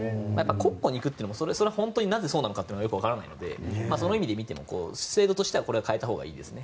国庫に行くというのもなぜそうなのかがよくわからないのでその意味で見ても制度としては変えたほうがいいですね。